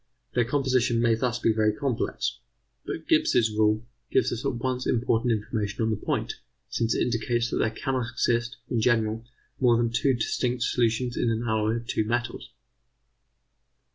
Their composition may thus be very complex: but Gibbs' rule gives us at once important information on the point, since it indicates that there cannot exist, in general, more than two distinct solutions in an alloy of two metals.